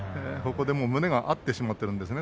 胸が合ってしまってるんですね